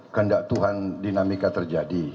kandak tuhan dinamika terjadi